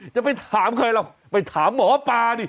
จะไปถามใครหรอกไปถามหมอปลาดิ